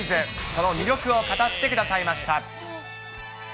その魅力を語ってくださいました。